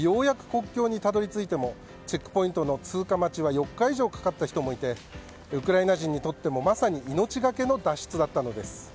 国境にたどり着いてもチェックポイントの通過待ちは４日以上かかった人もいてウクライナ人にとってもまさに命がけの脱出だったのです。